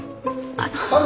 あの。